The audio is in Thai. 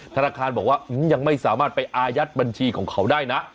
ธนาคารบอกว่ายังไม่สามารถไปอายัดบัญชีของเขาได้นะ